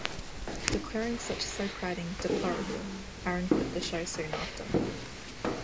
Declaring such soap writing "deplorable", Aaron quit the show soon after.